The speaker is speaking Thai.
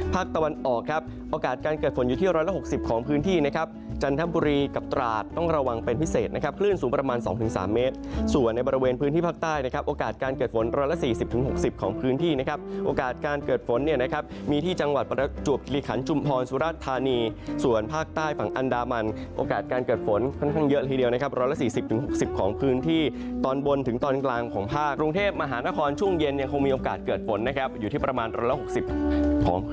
ปรึงการเจยภูมินครราชสีมาสีสะเกดระวังเป็นพิเศษนะครับส่วนภาคตะวันออกครับโอกาสการเกิดฝนอยู่ที่ร้อยละ๖๐ของพื้นที่นะครับจันทบุรีกับตราดต้องระวังเป็นพิเศษนะครับคลื่นสูงประมาณ๒๓เมตรส่วนในบริเวณพื้นที่ภาคใต้นะครับโอกาสการเกิดฝนร้อยละ๔๐๖๐ของพื้นที่นะครับโอกาสก